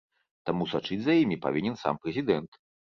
Таму сачыць за імі павінен сам прэзідэнт.